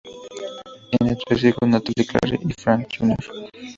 Tiene tres hijos, Natalie, Claire y Frank Jr.